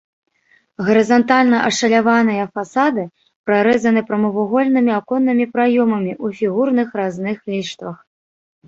Гарызантальна ашаляваныя фасады прарэзаны прамавугольнымі аконнымі праёмамі ў фігурных разных ліштвах.